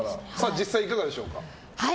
実際はいかがでしょうか。